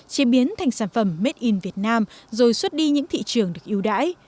chế biến thành sản phẩm made in việt nam rồi xuất đi những thị trường được ưu đãi